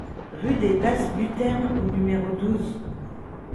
Rue des Basses Buternes au numéro douze